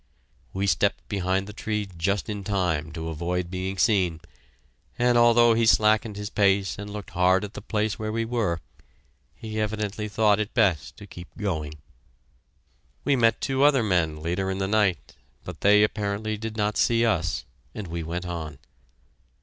We stepped behind the tree just in time to avoid being seen, and although he slackened his pace and looked hard at the place where we were, he evidently thought it best to keep going. We met two other men later in the night, but they apparently did not see us, and we went on.